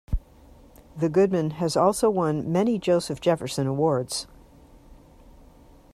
The Goodman has also won many Joseph Jefferson awards.